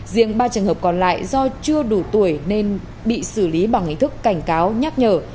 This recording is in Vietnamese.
riêng ba trường hợp còn lại do chưa đủ tuổi nên bị xử lý bằng hình thức cảnh cáo nhắc nhở